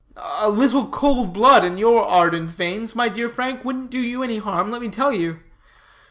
"A little cold blood in your ardent veins, my dear Frank, wouldn't do you any harm, let me tell you.